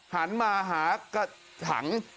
หันมาหาถัง